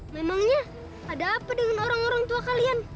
memangnya ada apa dengan orang orang tua kalian